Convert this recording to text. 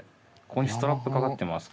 ここにストラップかかってます。